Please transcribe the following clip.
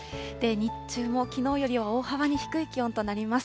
日中もきのうよりは大幅に低い気温となります。